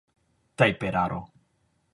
tajperaro